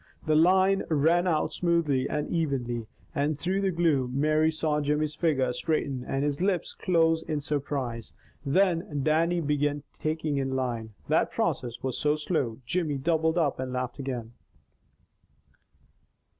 The line ran out smoothly and evenly, and through the gloom Mary saw Jimmy's figure straighten and his lips close in surprise. Then Dannie began taking in line. That process was so slow, Jimmy doubled up and laughed again.